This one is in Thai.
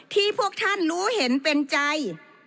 พวกท่านรู้เห็นเป็นใจ